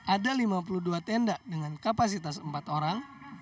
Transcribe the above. ada lima puluh dua tenda dengan kapasitas empat orang